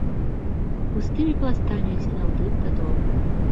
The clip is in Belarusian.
Густымі пластамі асядаў дым да долу.